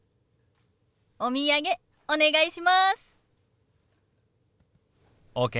お土産お願いします。ＯＫ。